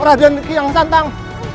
raden kian santang